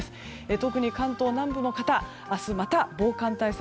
特に関東南部の方明日また防寒対策